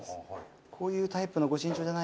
こういうタイプの御朱印帳じゃないと。